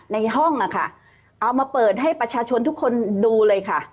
ในห้องนะคะเอามาเปิดให้ประชาชนทุกคนดูเลยค่ะ